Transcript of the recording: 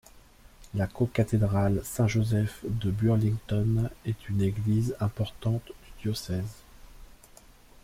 La cocathédrale Saint-Joseph de Burlington est une église importante du diocèse.